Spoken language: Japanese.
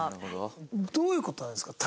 どういう事なんですか？